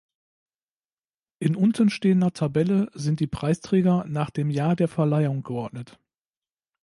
In unten stehender Tabelle sind die Preisträger nach dem Jahr der Verleihung geordnet.